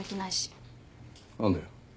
何だよ